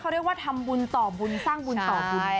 เขาเรียกว่าทำบุญต่อบุญสร้างบุญต่อบุญ